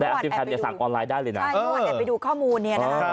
แต่อาทิตย์แพทย์จะสั่งออนไลน์ได้เลยนะใช่ถ้าวันแอบไปดูข้อมูลเนี่ยนะคะ